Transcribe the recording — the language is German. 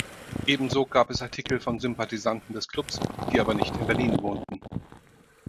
Ebenso gab es Artikel von Sympathisanten des Klubs, die aber nicht in Berlin wohnten.